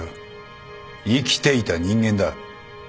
生きていた人間だ。